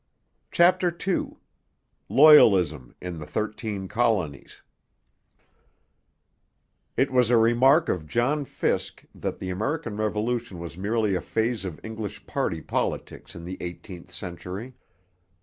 CHAPTER II LOYALISM IN THE THIRTEEN COLONIES It was a remark of John Fiske that the American Revolution was merely a phase of English party politics in the eighteenth century.